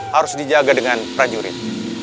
harus dijaga dengan prajurit